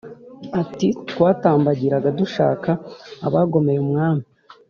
ati"twatambagiraga dushaka abagomeye umwami